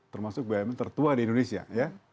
termasuk bumn tertua di indonesia ya